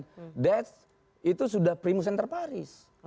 that itu sudah primus enterparis